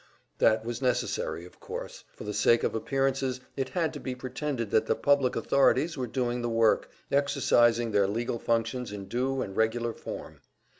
That was necessary, of course; for the sake of appearances it had to be pretended that the public authorities were doing the work, exercising their legal functions in due and regular form.